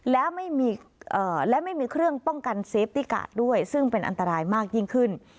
และไม่มีและไม่มีเครื่องป้องกันเซฟตี้การ์ดด้วยซึ่งเป็นอันตรายมากยิ่งขึ้น